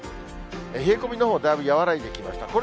冷え込みのほう、だいぶ和らいできました。